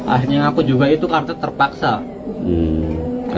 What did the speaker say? akhirnya ngaku juga itu kata terpaksa